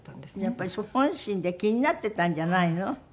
やっぱり本心で気になってたんじゃないの？